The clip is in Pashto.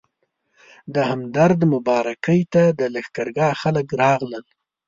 د همدرد مبارکۍ ته د لښکرګاه خلک راغلل.